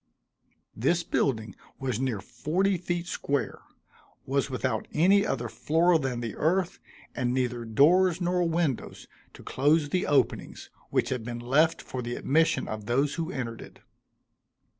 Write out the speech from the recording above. This building was near forty feet square; was without any other floor than the earth, and neither doors nor windows, to close the openings which had been left for the admission of those who entered it.